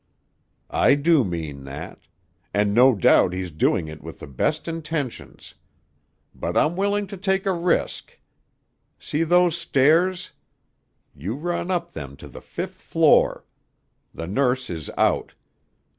"I do mean that. And no doubt he's doing it with the best intentions. But I'm willing to take a risk. See those stairs? You run up them to the fifth floor. The nurse is out.